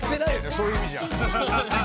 そういう意味じゃ。